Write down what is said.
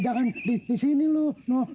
jangan disini loh